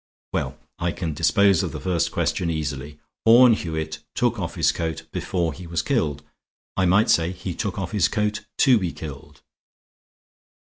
Well, I can dispose of the first question easily. Horne Hewitt took off his own coat before he was killed. I might say he took off his coat to be killed."